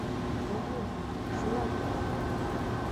Эйе, шулай кәрәк ине.